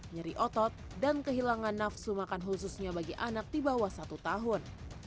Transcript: nyeri otot dan kehilangan nafsu makan khususnya bagi anak di bawah satu tahun